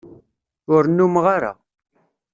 Ur numeɣ ara.